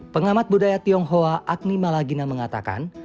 pengamat budaya tionghoa agni malagina mengatakan